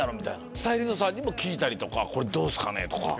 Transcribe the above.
スタイリストさんにも聞いたりこれどうっすかね？とか。